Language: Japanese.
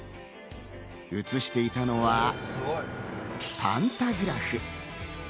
映していたのはパンタグラフ。